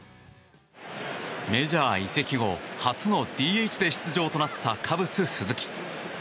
メジャー移籍後初のＤＨで出場となったカブス、鈴木。